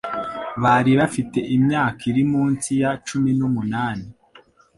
hari bafite imyaka iri munsi ya cumi nu munani